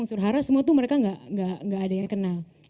semua itu mereka nggak ada yang kenal